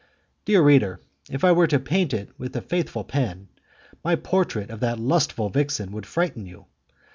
Dear reader, if I were to paint it with a faithful pen, my portrait of that lustful vixen would frighten you.